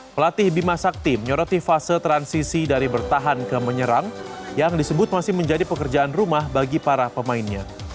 pelatih bima sakti menyoroti fase transisi dari bertahan ke menyerang yang disebut masih menjadi pekerjaan rumah bagi para pemainnya